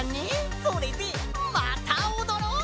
それでまたおどろう！